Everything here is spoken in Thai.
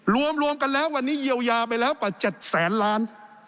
รวมกันแล้ววันนี้เยียวยาไปแล้วกว่า๗แสนล้าน